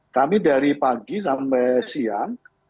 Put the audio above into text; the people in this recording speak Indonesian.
kami dari pagi sampai siang